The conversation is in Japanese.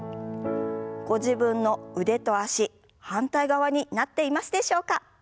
ご自分の腕と脚反対側になっていますでしょうか？